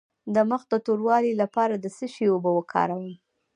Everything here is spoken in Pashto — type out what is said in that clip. د مخ د توروالي لپاره د څه شي اوبه وکاروم؟